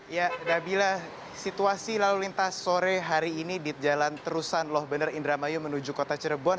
ya dabila situasi lalu lintas sore hari ini di jalan terusan loh bener indramayu menuju kota cirebon